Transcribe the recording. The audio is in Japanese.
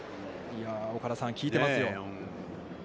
岡田さん、きいてますよ。